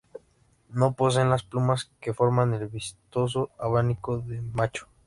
No poseen las plumas que forman el vistoso abanico del macho.